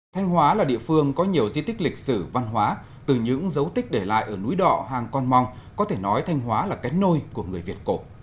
thanh hóa là địa phương có nhiều di tích lịch sử văn hóa từ những dấu tích để lại ở núi đọ hàng con mong có thể nói thanh hóa là cái nôi của người việt cổ